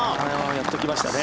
やっと来ましたね。